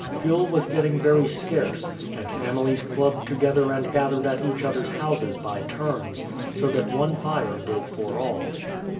Fuel was getting very scarce, and families clubbed together and gathered at each others houses by turns, so that one fire did for all.